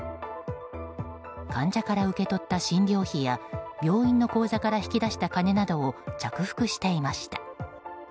患者から受け取った診療費や病院の口座から引き出した金などを着服していました。